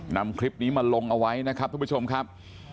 นำคลิปนี้มาลงเอาไว้นะครับทุกผู้ชมครับ